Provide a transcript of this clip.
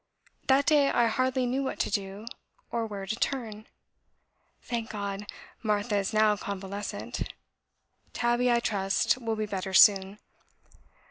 That day I hardly knew what to do, or where to turn. Thank God! Martha is now convalescent: Tabby, I trust, will be better soon.